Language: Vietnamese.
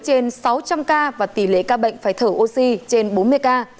trên sáu trăm linh ca và tỷ lệ ca bệnh phải thở oxy trên bốn mươi ca